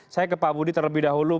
saya ke pak budi terlebih dahulu